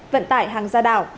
vận tải hàng giả